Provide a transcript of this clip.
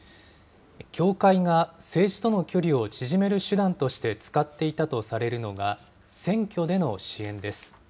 教会が政治との距離を縮める手段として使っていたとされるのが、選挙での支援です。